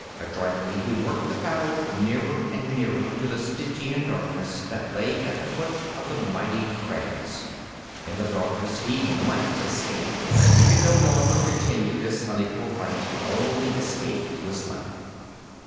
Adroitly he worked the battle nearer and nearer to the Stygian darkness that lay at the foot of the mighty crags. In the darkness he might escape. He could no longer continue this unequal fight. Only escape was left.